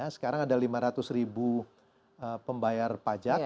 sekarang ada lima ratus ribu pembayar pajak